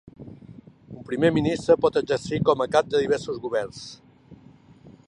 Un primer ministre pot exercir com a cap de diversos governs.